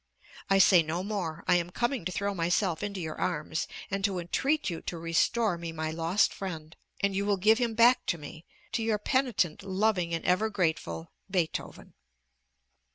I say no more. I am coming to throw myself into your arms, and to entreat you to restore me my lost friend; and you will give him back to me, to your penitent, loving, and ever grateful BEETHOVEN.